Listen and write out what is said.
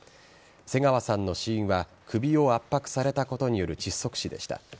瀬川さんの死因は首を圧迫されたことによる窒息死でした。